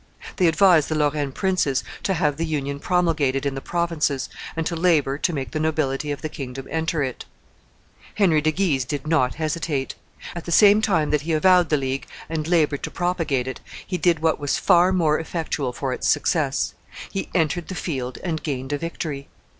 They advised the Lorraine princes to have the Union promulgated in the provinces, and to labor to make the nobility of the kingdom enter it. Henry de Guise did not hesitate. At the same time that he avowed the League and labored to propagate it, he did what was far more effectual for its success: he entered the field and gained a victory.